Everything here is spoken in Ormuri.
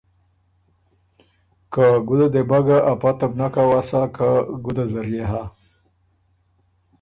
که ګُده دې بَۀ ګۀ ا پته وه بو نک اؤسا که ګُده زر يې هۀ۔